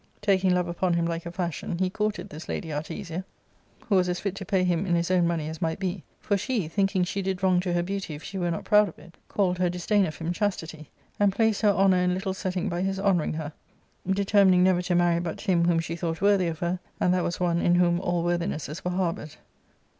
Taking love w^n him like" a "fashion, hej courted this lady Artesia, who was as fit to pay him in his own| money as might be ; for she, thinking she did wrong to herj Beauty if she were not proud of it, called her disdain of hin^f J chastity, and placed her honour in little setting by his honouring her, determining never to marry but him whoni she thought worthy of her, and that was one in whom all worthinesses were harboured.